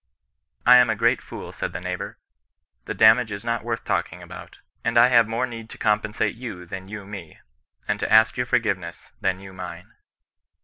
' I am a areatfool P said the neighbour. The damage M not worth talking about ; and I have more need to compensate you than you me, and to ask your forgive ness than you mine."